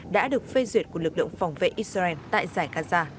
đã được phê duyệt của lực lượng phòng vệ israel tại giải gaza